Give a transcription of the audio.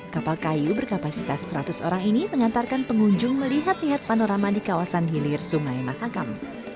kapal kayu berkapasitas seratus orang ini mengantarkan pengunjung melihat lihat panorama di kawasan hilir sungai mahakam